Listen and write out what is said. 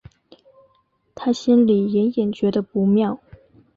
她心里隐隐觉得不妙